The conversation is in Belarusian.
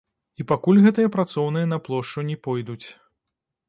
І пакуль гэтыя працоўныя на плошчу не пойдуць.